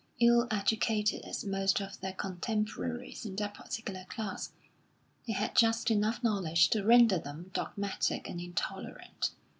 Ill educated as most of their contemporaries in that particular class, they had just enough knowledge to render them dogmatic and intolerant.